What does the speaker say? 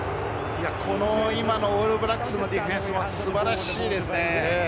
今のオールブラックスのディフェンスは素晴らしいですね。